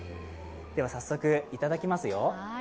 早速、いただきますよ。